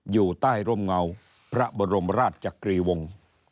อยู่ใต้ร่มเงาพระบรมราชจักรีวงศ์